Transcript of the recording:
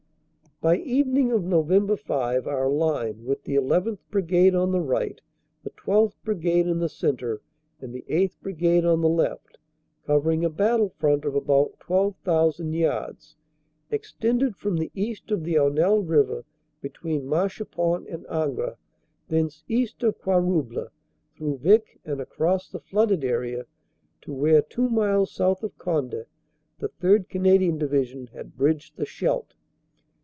By evening of Nov. 5 our line, with the llth. Brigade on the right, the 12th. Brigade in the centre and the 8th. Brigade on the left, covering a battle front of about 12,000 yards, ex tended from the east of the Aunelle river between Marchipont and Angre, thence east of Quarouble, through Vicq and across the flooded area to where two miles south of Conde the 3rd. Canadian Division had bridged the Scheldt.